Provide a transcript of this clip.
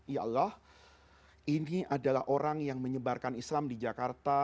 ya allah ini adalah orang yang menyebarkan islam di jakarta